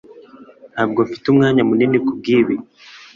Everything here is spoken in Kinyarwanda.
ntabwo mfite umwanya munini kubwibi